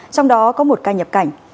trong đó có một ca nhập cảnh